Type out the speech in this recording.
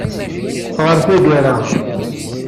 Ɣer taggara.